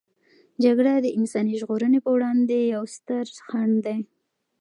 جګړه د انساني ژغورنې په وړاندې یوې سترې خنډ دی.